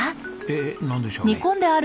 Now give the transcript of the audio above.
えなんでしょうね。